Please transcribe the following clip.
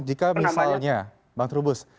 jika misalnya bang trubus